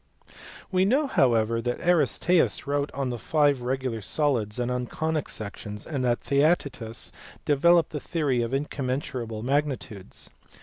We know however that Aristaeus wrote on the five regular solids and on conic sections, and that Theaetetus developed the theory of incommensurable magnitudes.